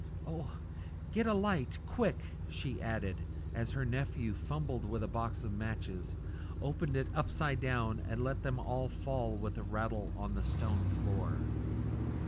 "Oh! get a light quick!" she added, as her nephew, fumbling with a box of matches, opened it upside down and let them all fall with a rattle on to the stone floor.